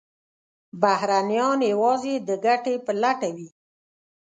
بهرنیان یوازې د ګټې په لټه وي.